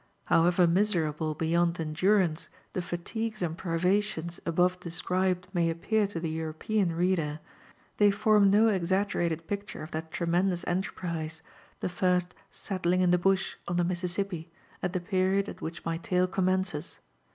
However miserable beyond endurance the fatigues and privations above described may appear to the European reader, they form no ex aggerated picture of that tremendous enterprise, the first '^ settling in the bush" on the Mississipi, at the period at which my tale commences.